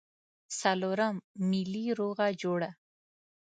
څلورم ملي روغه جوړه.